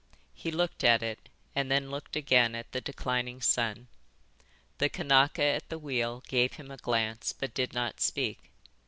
He looked at it and then looked again at the declining sun. The Kanaka at the wheel gave him a glance, but did not speak.